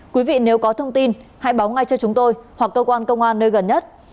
quý vị nếu có thông tin hãy báo ngay cho chúng tôi hoặc cơ quan công an nơi gần nhất